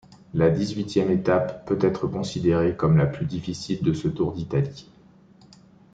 La dix-huitième étape peut être considérée comme la plus difficile de ce Tour d'Italie.